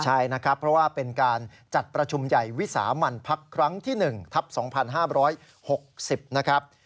ใช่นะครับเพราะว่าเป็นการจัดประชุมใหญ่วิสามันพักครั้งที่๑ทัพ๒๕๖๐นะครับ